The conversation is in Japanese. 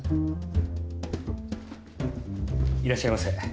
いらっしゃいませ。